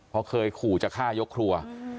เพราะเคยขู่จะฆ่ายกครัว